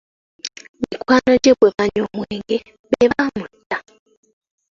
Mikwano gye bwe banywa omwenge be baamutta.